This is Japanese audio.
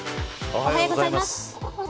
おはようございます。